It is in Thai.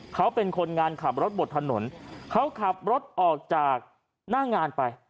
เขาเป็นคนงานขับรถบนถนนเขาขับรถออกจากหน้างานไป